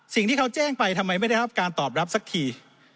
สิ่งที่เขาแจ้งไปทำไมไม่ได้รับการตอบรับสักที